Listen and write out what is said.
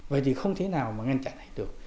vậy thì không thể nào mà ngăn chặn được